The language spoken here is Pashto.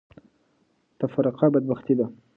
تفرقه بدبختي ده.